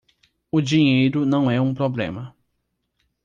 O dinheiro não é um problema